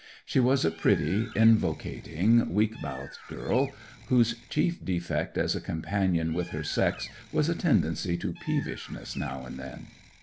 She was a pretty, invocating, weak mouthed girl, whose chief defect as a companion with her sex was a tendency to peevishness now and then.